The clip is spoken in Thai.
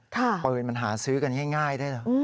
ค่ะปล่อยเป็นปัญหาซื้อกันง่ายได้หรือ